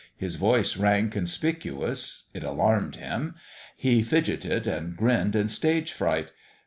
His voice rang conspicuous. It alarmed him. He fidgeted and grinned in stage fright.